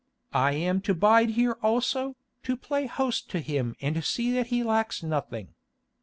I am to bide here also, to play host to him and see that he lacks nothing.